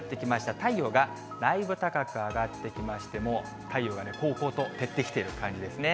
太陽がだいぶ高く上がってきまして、もう太陽がこうこうと照ってきている感じですね。